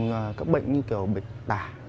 tiêm phòng các bệnh như kiểu bệnh tả